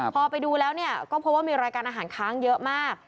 พอไปดูแล้วก็พบว่ามีรายการอาหารค้างเยอะมาก